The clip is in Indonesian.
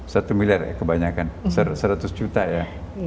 satu miliar kebanyakan seratus juta ya